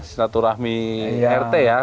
silaturahmi rt ya